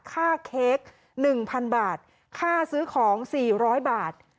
เค้ก๑๐๐๐บาทค่าซื้อของ๔๐๐บาท